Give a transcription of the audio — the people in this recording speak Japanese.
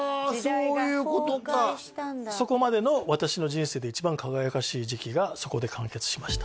そういうことかそこまでの私の人生で一番輝かしい時期がそこで完結しました